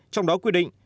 trong đó quy định